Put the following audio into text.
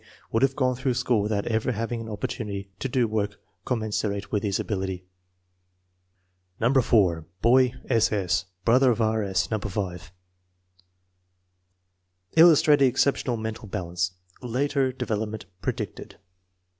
would have gone through school without ever hav ing an opportunity to do work commensurate with his ability. No. 4. Boy: 8. 8. Brother of R. S., No. 5. Il lustrating exceptional mental balance. Later devel opment predicted.